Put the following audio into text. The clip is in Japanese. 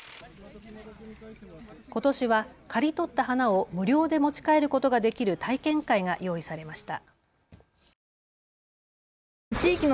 ことしは刈り取った花を無料で持ち帰ることができる体験会が用意されました。